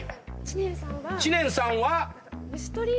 知念さんは。